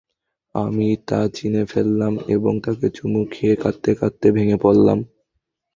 আমি তা চিনে ফেললাম এবং তাকে চুমু খেয়ে কাঁদতে কাঁদতে ভেঙে পড়লাম।